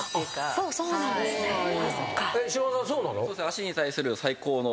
脚に対する最高の。